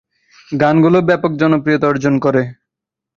গানগুলো ব্যাপক জনপ্রিয়তা অর্জন করে।